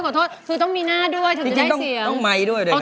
อ๋อขอโทษคือต้องมีหน้าด้วยถ้าจะได้เสียง